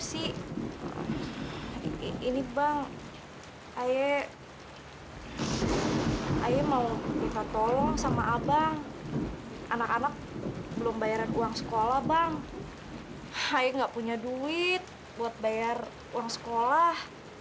tapi kata kakek lala nggak boleh sedih